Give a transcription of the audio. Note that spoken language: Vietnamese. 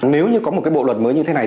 nếu như có một cái bộ luật mới như thế này